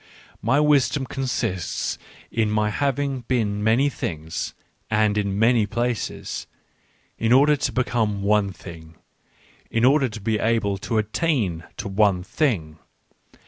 My wisdom consists in my having been many things, and in many places, in order to become one thing — in order to be able to attain to one thing.